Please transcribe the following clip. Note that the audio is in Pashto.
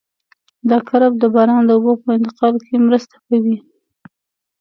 دا کرب د باران د اوبو په انتقال کې مرسته کوي